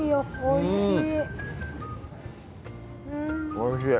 おいしい。